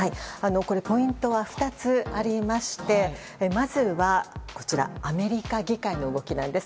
ポイントは２つあってまずはアメリカ議会の動きです。